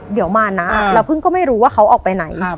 เดี๋ยวมานะเราเพิ่งก็ไม่รู้ว่าเขาออกไปไหน